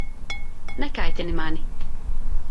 Nekaitini mani!